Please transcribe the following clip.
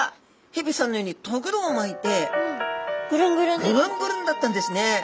ヘビさんのようにとぐろを巻いてぐるんぐるんだったんですね。